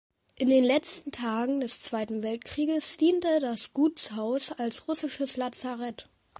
In den letzten Tagen des Zweiten Weltkrieges diente das Gutshaus als russisches Lazarett.